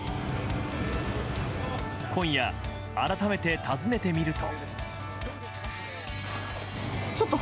今夜、改めて訪ねてみると。